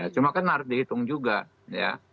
cuma kan harus dihitung juga ya